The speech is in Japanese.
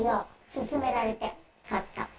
勧められて買った。